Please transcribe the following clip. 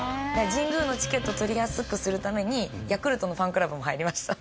神宮のチケット取りやすくするためにヤクルトのファンクラブも入りました。